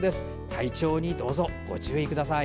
体調にどうぞご注意ください。